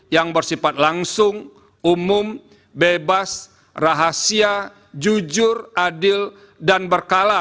yang bersifat langsung umum bebas rahasia jujur adil dan berkala